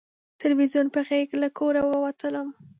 تلویزیون په غېږ له کوره ووتلم